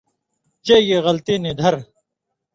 چے گی غلطی نی دَھرہۡ